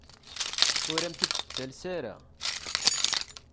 Ur am-t-id-tettales ara.